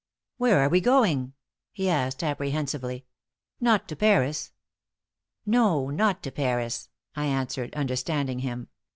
"Where are we going?" he asked, apprehensively. "Not to Paris?" "No, not to Paris," I answered, understanding him.